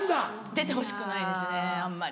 出てほしくないですねあんまり。